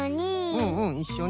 うんうんいっしょに。